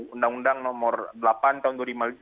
undang undang nomor delapan tahun